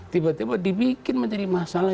tiba tiba dibikin menjadi masalah